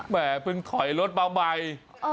แห่เพิ่งถอยรถมาใหม่